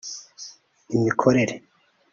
imikorere